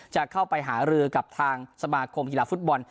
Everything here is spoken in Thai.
จะเข้าไปหารือกับทางสมาคมกีฬาฟุตบอล